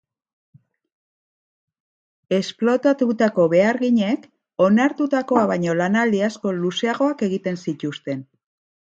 Esplotatutako beharginek onartutakoa baino lanaldi askoz luzeagoak egiten zituzten.